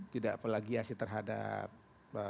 tidak plagiasi terhadap